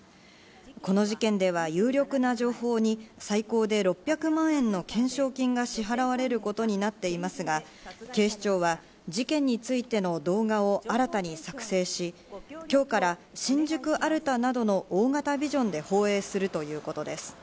この事件では有力な情報に最高で６００万円の懸賞金が支払われることになっていますが、警視庁は事件についての動画をあらたに作成し、今日から新宿アルタなどの大型ビジョンで放映するということです。